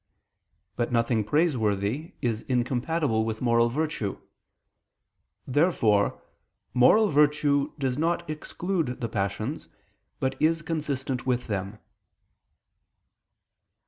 But nothing praiseworthy is incompatible with moral virtue. Therefore moral virtue does not exclude the passions, but is consistent with them.